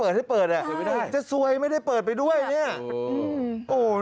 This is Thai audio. จะซวยไม่ได้เปิดไปด้วยเนี่ย